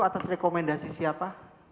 atas rekomendasi siapa